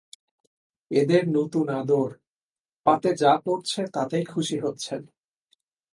এঁদের নূতন আদর, পাতে যা পড়ছে তাতেই খুশি হচ্ছেন।